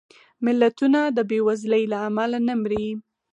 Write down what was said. ملتونه د بېوزلۍ له امله نه مري